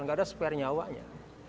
nggak ada spare nyawanya